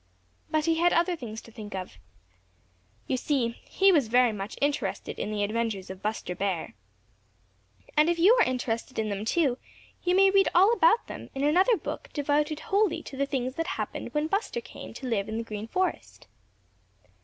But he had other things to think of. You see, he was very much interested in the adventures of Buster Bear. And if you are interested in them too, you may read all about them in another book devoted wholly to the things that happened when Buster came to live in the Green Forest.